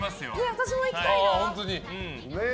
私も行きたい！